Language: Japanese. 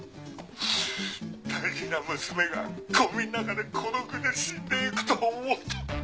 大事な娘がごみの中で孤独で死んでいくと思うと。